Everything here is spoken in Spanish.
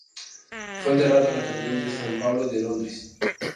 Fue enterrado en la Catedral de San Pablo de Londres.